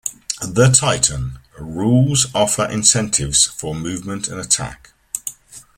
The "Titan" rules offer incentives for movement and attack.